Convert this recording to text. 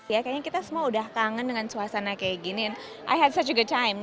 ya kayaknya kita semua udah kangen dengan suasana kayak gini i had such a good time